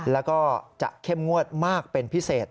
แล้วก็จะเข้มงวดมากเป็นพิเศษ